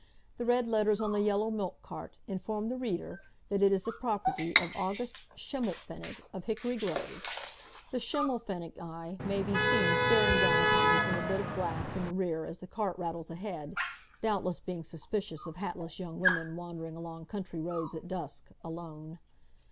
The red letters on the yellow milk cart inform the reader that it is the property of August Schimmelpfennig, of Hickory Grove. The Schimmelpfennig eye may be seen staring down upon me from the bit of glass in the rear as the cart rattles ahead, doubtless being suspicious of hatless young women wandering along country roads at dusk, alone.